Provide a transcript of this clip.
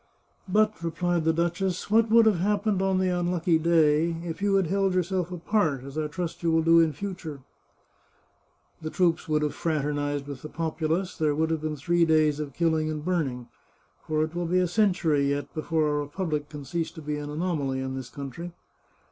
" But," replied the duchess, " what would have happened on the unlucky day if you had held yourself apart, as I trust you will do in future ?"" The troops would have fraternized with the populace, there would have been three days of killing and burning ;— for it will be a century, yet, before a republic can cease to be an anomaly in this country.